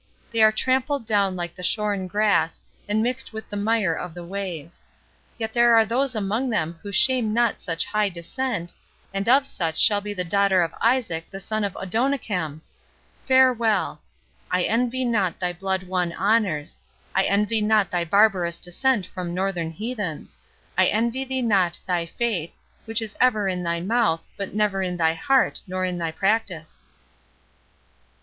—They are trampled down like the shorn grass, and mixed with the mire of the ways. Yet are there those among them who shame not such high descent, and of such shall be the daughter of Isaac the son of Adonikam! Farewell!—I envy not thy blood won honours—I envy not thy barbarous descent from northern heathens—I envy thee not thy faith, which is ever in thy mouth, but never in thy heart nor in thy practice."